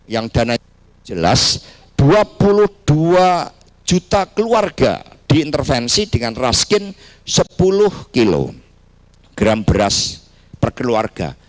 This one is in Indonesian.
yang dananya jelas dua puluh dua juta keluarga diintervensi dengan raskin sepuluh kg beras perkeluarga